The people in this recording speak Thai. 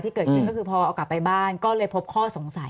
เกิดขึ้นก็คือพอเอากลับไปบ้านก็เลยพบข้อสงสัย